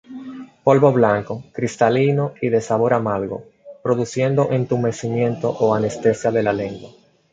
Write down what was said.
Polvo blanco, cristalino y de sabor amargo, produciendo entumecimiento o anestesia de la lengua.